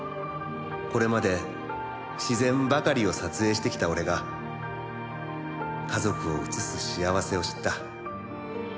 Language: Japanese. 「これまで自然ばかりを撮影してきた俺が家族を写す幸せを知った」